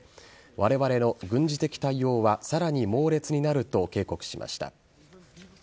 われわれの軍事的対応はさらに猛烈になると警告しました。